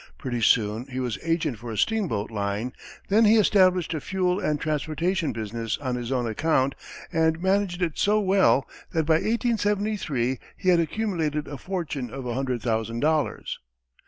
Pretty soon he was agent for a steamboat line, then he established a fuel and transportation business on his own account and managed it so well that by 1873, he had accumulated a fortune of a hundred thousand dollars.